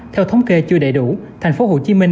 theo thống kê chưa đầy đủ thành phố hồ chí minh